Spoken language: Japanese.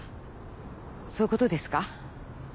そういうことですか？